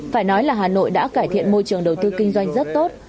phải nói là hà nội đã cải thiện môi trường đầu tư kinh doanh rất tốt